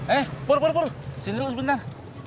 eh pur pur pur disini dulu sebentar